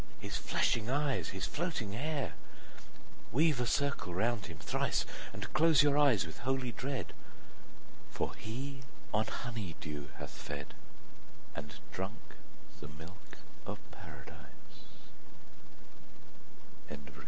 His flashing eyes, his floating hair! 50 Weave a circle round him thrice, And close your eyes with holy dread, For he on honey dew hath fed, And drunk th